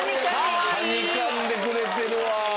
はにかんでくれてるわ。